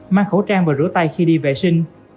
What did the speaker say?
mang khẩu trang và rửa tay khi đi vệ sinh